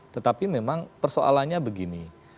tetapi memang persoalannya begini